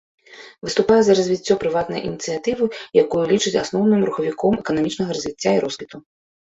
Выступае за развіццё прыватнай ініцыятывы, якую лічыць асноўным рухавіком эканамічнага развіцця і росквіту.